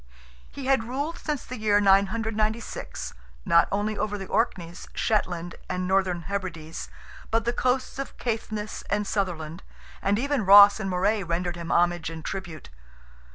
He had ruled since the year 996, not only over the Orkneys, Shetland, and Northern Hebrides, but the coasts of Caithness and Sutherland, and even Ross and Moray rendered him homage and tribute.